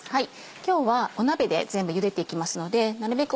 今日は鍋で全部ゆでていきますのでなるべく